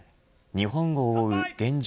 日本を覆う現状